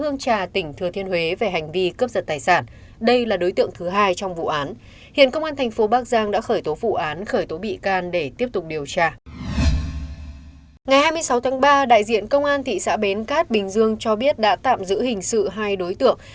ngày hai mươi sáu tháng ba đại diện công an thị xã bến cát bình dương cho biết đã tạm giữ hình sự hai đối tượng